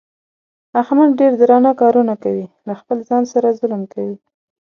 احمد ډېر درانه کارونه کوي. له خپل ځان سره ظلم کوي.